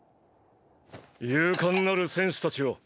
勇敢なる戦士たちよ。